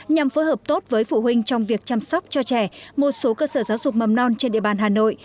nhằm phối hợp tốt với phụ huynh trong việc chăm sóc cho trẻ một số cơ sở giáo dục mầm non trên địa bàn hà nội